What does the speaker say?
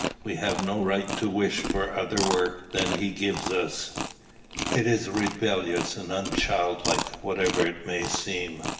We have no right to wish for other work than he gives us. It is rebellious and unchildlike, whatever it may seem.